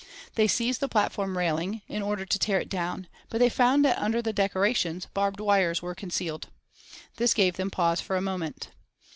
They seized the platform railing, in order to tear it down, but they found that under the decorations barbed wires were concealed. This gave them pause for a moment.